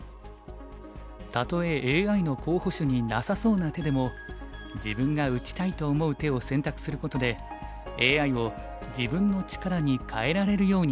たとえＡＩの候補手になさそうな手でも自分が打ちたいと思う手を選択することでＡＩを自分の力に変えられるようになりました。